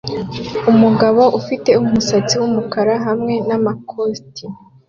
Umugabo ufite umusatsi wumukara hamwe namakoti